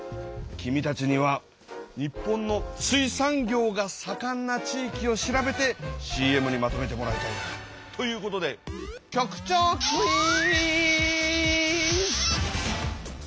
君たちには日本の「水産業がさかんな地域」を調べてＣＭにまとめてもらいたい。ということで局長クイズ！